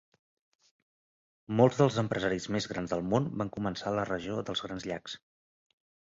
Molts dels empresaris més grans del món van començar a la regió dels Grans Llacs.